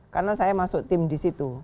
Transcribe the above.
karena saya masuk tim di situ